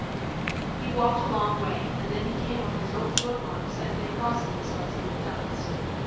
He walked a long way, and then he came on his own footmarks as they crossed themselves in the dust.